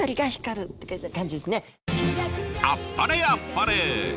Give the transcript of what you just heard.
あっぱれあっぱれ！